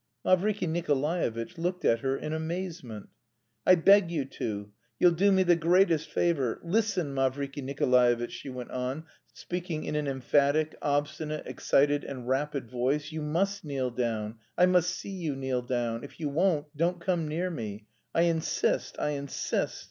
Mavriky Nikolaevitch looked at her in amazement. "I beg you to. You'll do me the greatest favour. Listen, Mavriky Nikolaevitch," she went on, speaking in an emphatic, obstinate, excited, and rapid voice. "You must kneel down; I must see you kneel down. If you won't, don't come near me. I insist, I insist!"